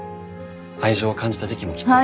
愛情を感じた時期もきっと。